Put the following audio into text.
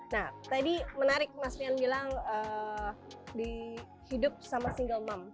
nah tadi menarik mas rian bilang hidup sama single mom